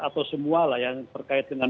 atau semua lah yang terkait dengan